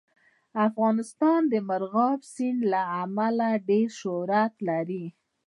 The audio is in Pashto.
افغانستان د مورغاب سیند له امله ډېر شهرت لري.